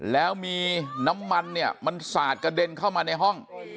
แล้วมีน้ำมันเนี่ยมันสาดกระเด็นเข้ามาในห้อง